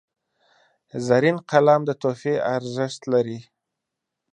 زرین قلم د تحفې ارزښت لري.